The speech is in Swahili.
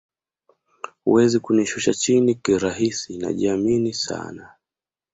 Huwezi kunishusha chini kirahisi najiamini sana